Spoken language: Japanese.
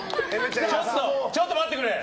ちょっと待ってくれ。